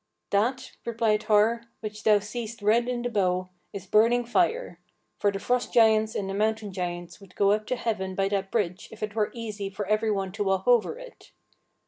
"That," replied Har, "which thou seest red in the bow, is burning fire; for the Frost giants and the Mountain giants would go up to heaven by that bridge if it were easy for every one to walk over it.